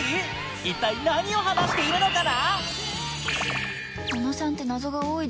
一体何を話しているのかな？